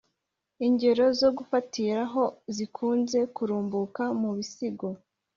lngero zo gufatira ho zikunze kurumbukà mu bisigo